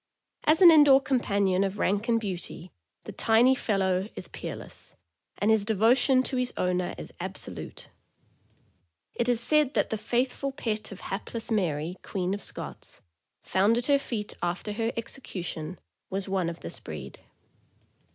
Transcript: As an in door companion of rank and beauty the tiny fellow is peerless, and his devotion to his owner is absolute. It is said that the faithful pet of hapless Mary, Queen of Scots, found at her feet after her execution, was one of this breed.